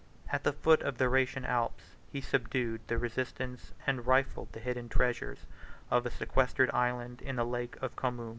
At the foot of the Rhaetian Alps, he subdued the resistance, and rifled the hidden treasures, of a sequestered island in the Lake of Comum.